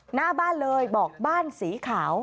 หน้าบ้านเลยบอกบ้านสีขาว